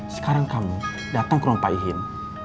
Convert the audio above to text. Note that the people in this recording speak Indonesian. sekarang kamu datang ke rompaihin